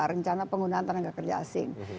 rencana penggunaan tenaga kerja asing